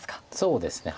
そうですね。